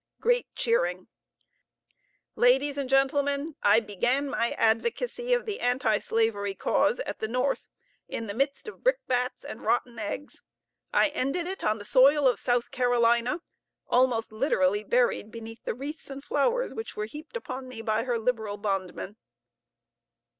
(Great cheering.) Ladies and gentlemen, I began my advocacy of the Anti slavery cause at the North in the midst of brickbats and rotten eggs. I ended it on the soil of South Carolina, almost literally buried beneath the wreaths and flowers which were heaped upon me by her liberal bondmen.